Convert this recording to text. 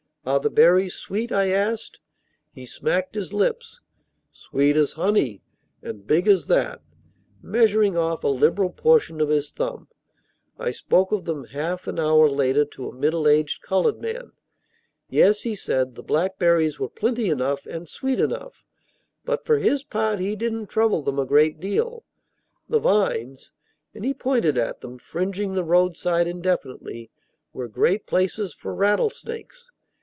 "Are the berries sweet?" I asked. He smacked his lips. "Sweet as honey, and big as that," measuring off a liberal portion of his thumb. I spoke of them half an hour later to a middle aged colored man. Yes, he said, the blackberries were plenty enough and sweet enough; but, for his part, he didn't trouble them a great deal. The vines (and he pointed at them, fringing the roadside indefinitely) were great places for rattlesnakes.